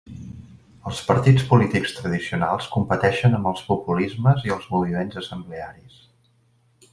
Els partits polítics tradicionals competeixen amb els populismes i els moviments assemblearis.